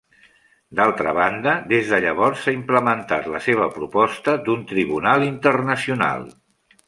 D'altra banda, des de llavors s'ha implementat la seva proposta d'un tribunal internacional.